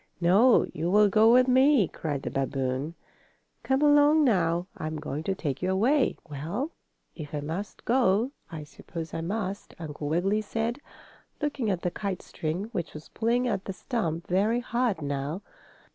"No! You will go with me!" cried the babboon. "Come along now. I'm going to take you away." "Well, if I must go, I suppose I must," Uncle Wiggily said, looking at the kite string, which was pulling at the stump very hard now.